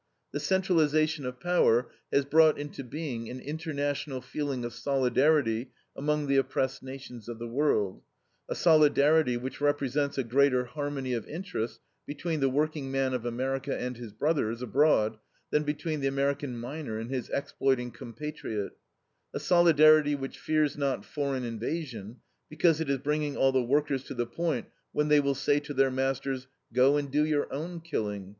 The centralization of power has brought into being an international feeling of solidarity among the oppressed nations of the world; a solidarity which represents a greater harmony of interests between the workingman of America and his brothers abroad than between the American miner and his exploiting compatriot; a solidarity which fears not foreign invasion, because it is bringing all the workers to the point when they will say to their masters, "Go and do your own killing.